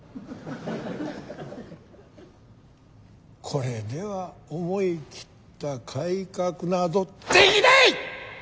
これでは思い切った改革などできない！